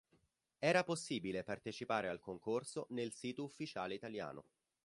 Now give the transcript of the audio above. Era possibile partecipare al concorso nel sito ufficiale italiano.